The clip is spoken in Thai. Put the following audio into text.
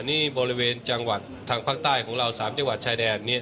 นี่บริเวณจังหวัดทางภาคใต้ของเรา๓จังหวัดชายแดนนี้